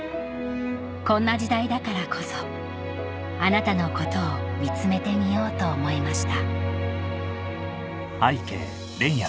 こんな時代だからこそあなたのことを見つめてみようと思いました